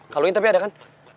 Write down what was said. kalau ini tapi ada kan